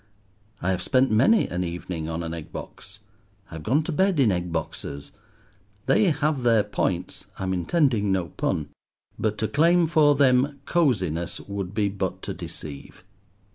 —I have spent many an evening on an egg box; I have gone to bed in egg boxes. They have their points—I am intending no pun—but to claim for them cosiness would be but to deceive.